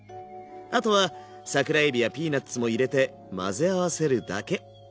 あとは桜えびやピーナツも入れて混ぜ合わせるだけ。